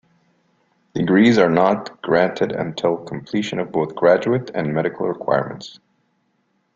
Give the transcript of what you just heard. Degrees are not granted until completion of both graduate and medical requirements.